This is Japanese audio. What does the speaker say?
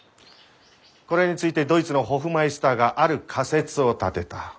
これについてドイツのホフマイスターがある仮説を立てた。